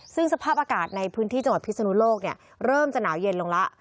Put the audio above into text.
ซึ่งสภาพอากาศในพื้นที่จังหวัดพิศนุโลกเริ่มจะหนาวเย็นลงแล้ว